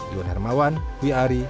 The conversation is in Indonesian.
iwan hermawan hui ari